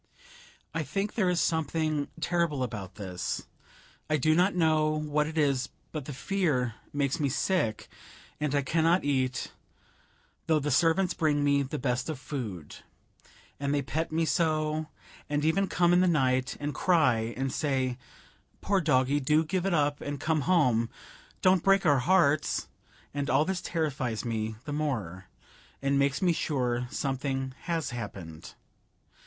I think there is something terrible about this. I do not know what it is, but the fear makes me sick, and I cannot eat, though the servants bring me the best of food; and they pet me so, and even come in the night, and cry, and say, "Poor doggie do give it up and come home; don't break our hearts!" and all this terrifies me the more, and makes me sure something has happened.